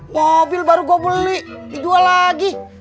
mobil baru gue beli dijual lagi